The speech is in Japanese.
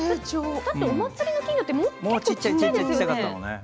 お祭りの金魚って小っちゃいですよね。